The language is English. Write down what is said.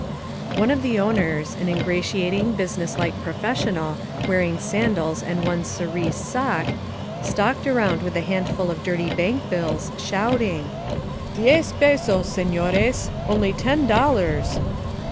One of the owners, an ingratiating, business like professional, wearing sandals and one cerise sock, stalked around with a handful of dirty bank bills, shouting: "Diez pesos, seiSores! Only ten dollars!'